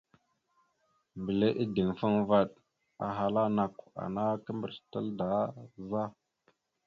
Mbile ideŋfaŋa vaɗ ahala: « Nakw ana kimbirec tal daa za? ».